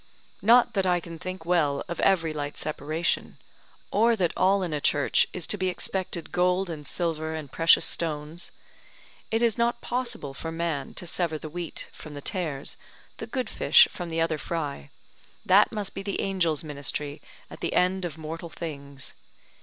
Not that I can think well of every light separation, or that all in a Church is to be expected gold and silver and precious stones: it is not possible for man to sever the wheat from the tares, the good fish from the other fry; that must be the Angels' ministry at the end of mortal things.